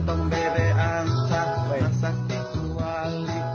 potong bebek angsa masak di kuali